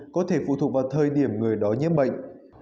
có thể phụ thuộc vào thời điểm người đó nhiễm bệnh